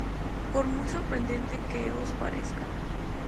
Por muy sorprendente que os parezca